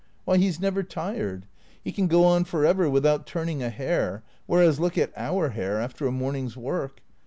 Why, he 's never tired. He can go on for ever without turning a hair, whereas look at our hair after a morning's work.